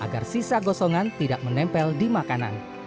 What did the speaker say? kisah gosongan tidak menempel di makanan